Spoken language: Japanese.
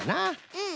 うん。